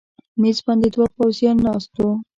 مېز باندې دوه پوځیان ناست و.